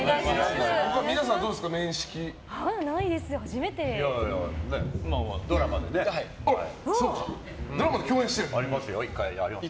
皆さん、面識はどうですか？